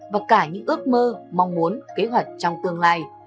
và cả những ước mơ mong muốn kế hoạch trong tương lai